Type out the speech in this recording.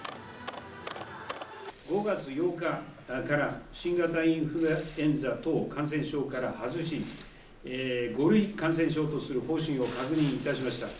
５月８日から、新型インフルエンザ等感染症から外し、５類感染症とする方針を確認いたしました。